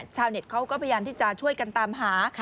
เน็ตเขาก็พยายามที่จะช่วยกันตามหา